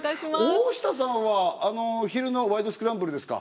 大下さんは昼の「ワイド！スクランブル」ですか。